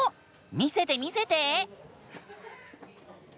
見せて見せて！